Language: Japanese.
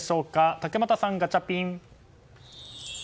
竹俣さん、ガチャピン！